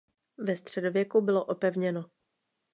Ve středověku bylo opevněno.